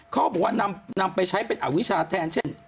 เขาบอกว่านำไปใช้เป็นอวิชาแทนเช่น